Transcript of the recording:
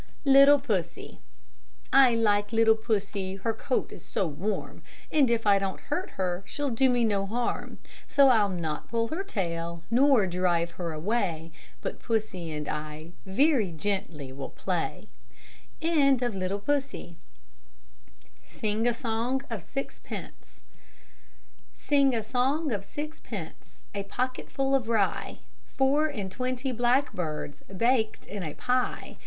LITTLE PUSSY I like little Pussy, Her coat is so warm, And if I don't hurt her She'll do me no harm; So I'll not pull her tail, Nor drive her away, But Pussy and I Very gently will play. SING A SONG OF SIXPENCE Sing a song of sixpence, A pocket full of rye; Four and twenty blackbirds Baked in a pie!